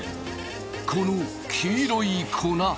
この黄色い粉。